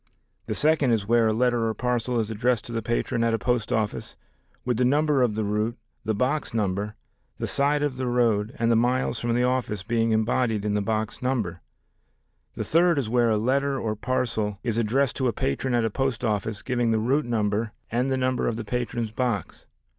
The second is where a letter or parcel is addressed to the patron at a post office, with the number of the route, the box number, the side of the road, and the miles from the office being embodied in the box number. The third is where a letter or parcel is addressed to a patron at a post office giving the route number and the number of the patron's box.